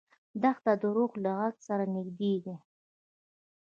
دښته د روح له غږ سره نږدې ده.